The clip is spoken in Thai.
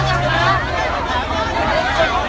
ก็ไม่มีเวลาให้กลับมาเท่าไหร่